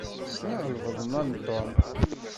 Sneɣ lbaḍna n Tom.